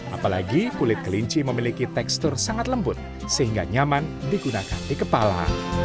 apalagi kulit kelinci memiliki tekstur sangat lembut sehingga nyaman digunakan di kepala